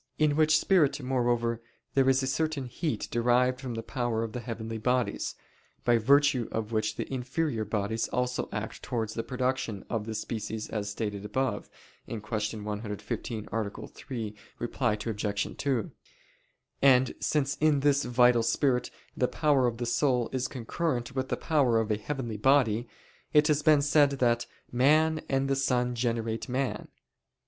In which spirit, moreover, there is a certain heat derived from the power of the heavenly bodies, by virtue of which the inferior bodies also act towards the production of the species as stated above (Q. 115, A. 3, ad 2). And since in this (vital) spirit the power of the soul is concurrent with the power of a heavenly body, it has been said that "man and the sun generate man."